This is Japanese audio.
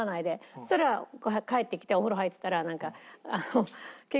そしたら帰ってきてお風呂入ってたら。